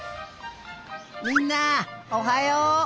みんなおはよう！